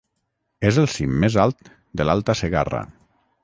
És el cim més alt de l'Alta Segarra.